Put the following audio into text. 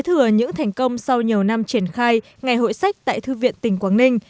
thừa những thành công sau nhiều năm triển khai ngày hội sách tại thư viện tỉnh quảng ninh